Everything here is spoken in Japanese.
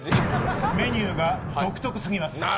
メニューが独特すぎます。